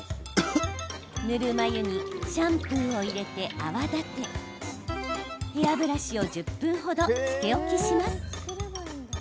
ぬるま湯にシャンプーを入れて泡立てヘアブラシを１０分程つけ置きします。